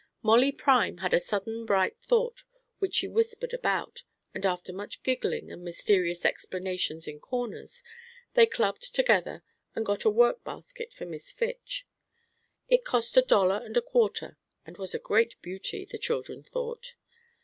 Molly Prime had a sudden bright thought, which she whispered about, and after much giggling and mysterious explanations in corners, they clubbed together and got a work basket for Miss Fitch. It cost a dollar and a quarter, and was a great beauty, the children thought.